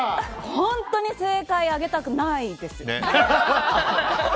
本当に正解あげたくないです。